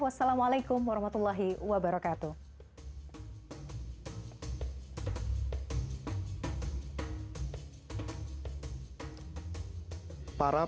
wassalamualaikum warahmatullahi wabarakatuh